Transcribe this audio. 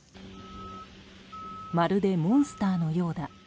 まるでモンスターのようだ。